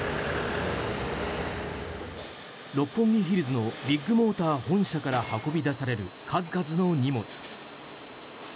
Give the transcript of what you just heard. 六本木ヒルズのビッグモーター本社から運び出される数々の荷物。